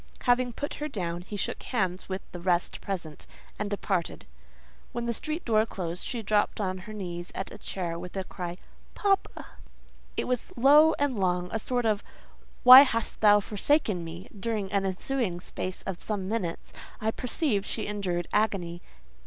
Having put her down, he shook hands with the rest present, and departed. When the street door closed, she dropped on her knees at a chair with a cry—"Papa!" It was low and long; a sort of "Why hast thou forsaken me?" During an ensuing space of some minutes, I perceived she endured agony.